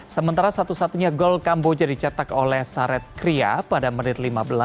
sementara satu satunya gol kamboja dicetak oleh sared kria pada menit lima belas